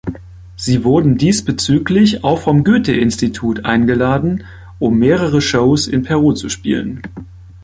Sie wurden diesbezüglich auch vom Goethe-Institut eingeladen, um mehrere Shows in Peru zu spielen.